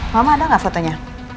mama ada gak fotonya